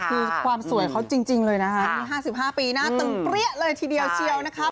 คือความสวยเขาจริงเลยนะคะนี่๕๕ปีหน้าตึงเปรี้ยเลยทีเดียวเชียวนะคะ